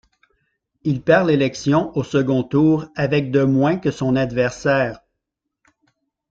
Il perd l'élection au second tour, avec de moins que son adversaire.